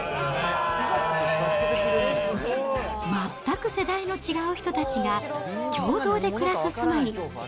全く世代の違う人たちが、共同で暮らす住まい。